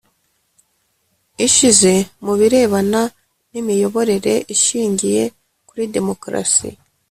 ishize mu birebana n imiyoborere ishingiye kuri demokarasi